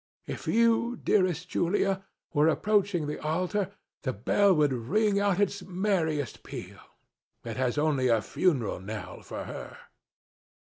If you, dearest Julia, were approaching the altar, the bell would ring out its merriest peal. It has only a funeral knell for her."